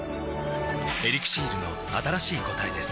「エリクシール」の新しい答えです